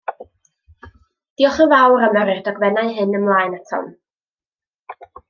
Diolch yn fawr am yrru'r dogfennau hyn ymlaen atom.